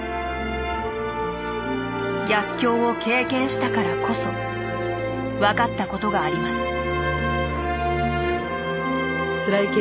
逆境を経験したからこそ分かったことがあります。